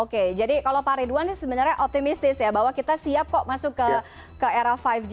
oke jadi kalau pak ridwan sebenarnya optimistis ya bahwa kita siap kok masuk ke era lima g